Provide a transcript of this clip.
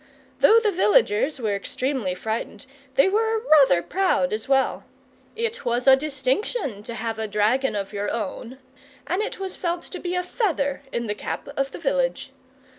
Though the villagers were extremely frightened, they were rather proud as well. It was a distinction to have a dragon of your own, and it was felt to be a feather in the cap of the village.